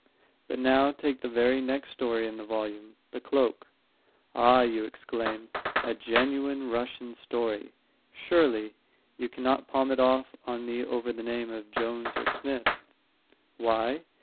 But, now, take the very next story in the volume, The Cloak. "Ah," you exclaim, "a genuine Russian story, Surely. You cannot palm it off on me over the name of Jones or Smith." Why?